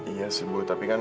iya ibu tapi kan